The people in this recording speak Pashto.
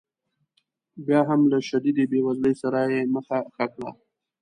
بیا هم له شدیدې بې وزلۍ سره یې مخه ښه کړې.